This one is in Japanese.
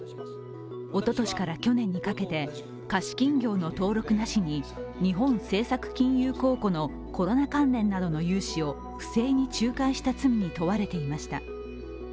おととしから去年にかけて貸金業の登録なしに日本政策金融公庫のコロナ関連などの融資を不正に仲介した罪に問われていました。